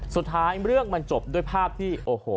เรื่องมันจบด้วยภาพที่โอ้โห